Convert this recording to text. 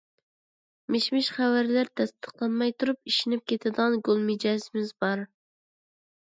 مىش-مىش خەۋەرلەر تەستىقلانماي تۇرۇپ ئىشىنىپ كېتىدىغان گول مىجەزىمىز بار.